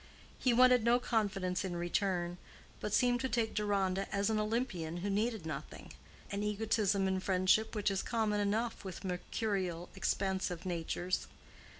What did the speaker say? He wanted no confidence in return, but seemed to take Deronda as an Olympian who needed nothing—an egotism in friendship which is common enough with mercurial, expansive natures.